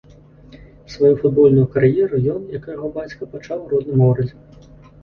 Сваю футбольную кар'еру ён, як і яго бацька, пачаў у родным горадзе.